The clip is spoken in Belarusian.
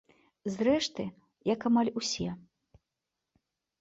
Зрэшты, як амаль усе.